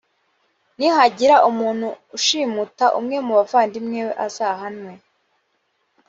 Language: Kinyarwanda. nihagira umuntu ushimuta umwe mu bavandimwe be azahanwe